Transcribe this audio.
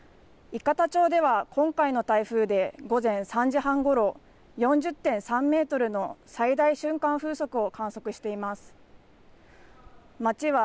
伊方町では今回の台風で午前３時半ごろ、４０．３メートルの最大瞬間風速を観測しています。